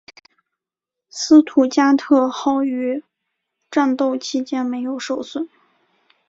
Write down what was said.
斯图加特号于战斗期间没有受损。